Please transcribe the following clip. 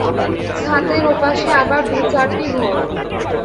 ছাতের ওপাশে আবার দু-চারটি ঘর।